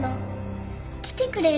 来てくれる？